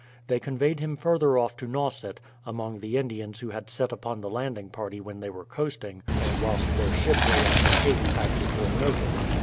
They conveyed him further off to Nauset, among the Indians who had set upon the landing party when they were coasting and whilst their ship lay at the Cape, as before noted.